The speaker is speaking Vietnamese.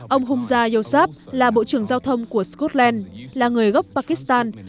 ông humza yousaf là bộ trưởng giao thông của scotland là người gốc pakistan